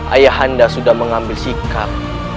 ayah anda sudah mengambil sikap